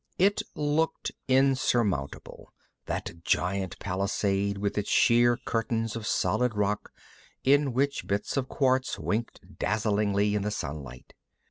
It looked insurmountable, that giant palisade with its sheer curtains of solid rock in which bits of quartz winked dazzlingly in the sunlight.